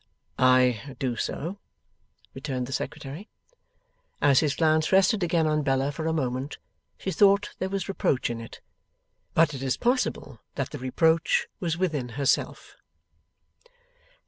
'I do so,' returned the Secretary. As his glance rested again on Bella for a moment, she thought there was reproach in it. But it is possible that the reproach was within herself.